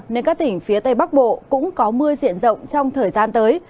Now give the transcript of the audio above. nên các tỉnh phía tây bắc bộ cũng có mưa diện rộng trong thời gian tới